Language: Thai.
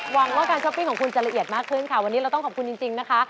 หวังว่าการช้อปปิ้งของคุณจะละเอียดมากขึ้นค่ะวันนี้เราต้องขอบคุณจริงนะคะ